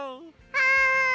はい！